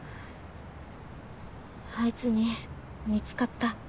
あいつに見つかった。